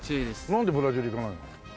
なんでブラジル行かないの？